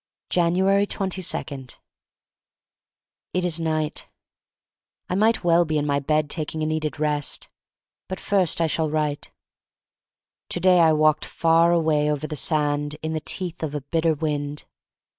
i \ Januarg 22* IT IS night. I might well be in my bed taking a needed rest. But first I shall write. To day I walked far away over the sand in the teeth of a bitter wind.